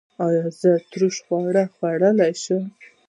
ایا زه ترش خواړه خوړلی شم؟